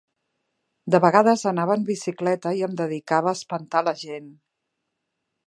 De vegades anava en bicicleta i em dedicava a espantar la gent.